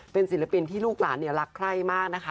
เป็นศิลปินที่ลูกหลานรักใคร่มากนะคะ